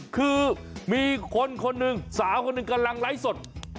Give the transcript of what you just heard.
คือมีคนคนหนึ่งสาวคนหนึ่งกำลังไลฟ์สด